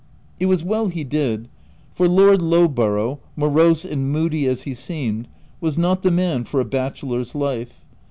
It was well he did, for Lord Lowborough, morose and moody as he seemed, was not the man for a bachelor's life.